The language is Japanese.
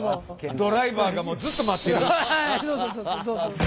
ドライバーがずっと待ってる。